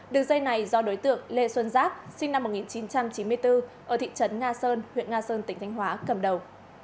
đường dây này do đối tượng lê xuân giáp sinh năm một nghìn chín trăm chín mươi bốn ở thị trấn nga sơn huyện nga sơn tỉnh thanh hóa cầm đầu